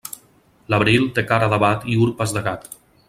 L'abril té cara d'abat i urpes de gat.